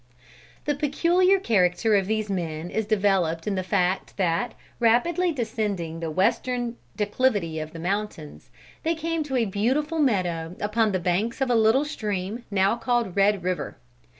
The peculiar character of these men is developed in the fact, that, rapidly descending the western declivity of the mountains, they came to a beautiful meadow upon the banks of a little stream now called Red River.